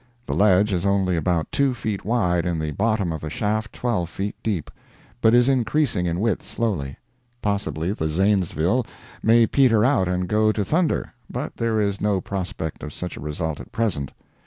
The ledge is only about two feet wide, in the bottom of a shaft twelve feet deep, but is increasing in width slowly; possibly the Zanesville may peter out and go to thunder, but there is no prospect of such a result at present.